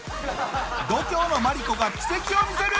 度胸のまりこが奇跡を見せる！